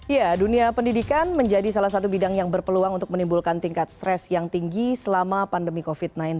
ya dunia pendidikan menjadi salah satu bidang yang berpeluang untuk menimbulkan tingkat stres yang tinggi selama pandemi covid sembilan belas